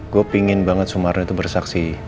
gue pingin banget sumarno itu bersaksi